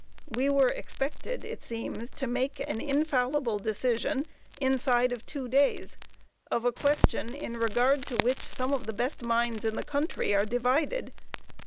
"We were expected, it seems, to make an infallible decision, inside of two days, of a question in regard to which some of the best minds of the country are divided.